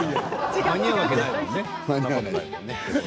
間に合うわけじゃないもんね。